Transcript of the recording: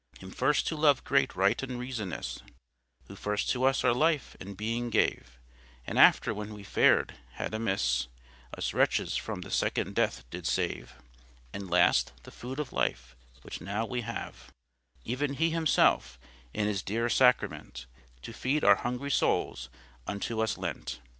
Him first to love great right and reason is, Who first to us our life and being gave, And after, when we fared had amisse, Us wretches from the second death did save; And last, the food of life, which now we have, Even He Himselfe, in His dear sacrament, To feede our hungry soules, unto us lent.